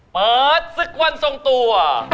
เปิดศึกวันทรงตัว